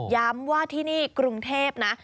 ย้ำว่าที่นี่กรุงเทพนะ